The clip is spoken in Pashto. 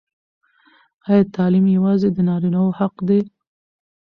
ایا تعلیم یوازې د نارینه وو حق دی؟